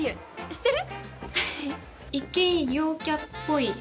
知ってる？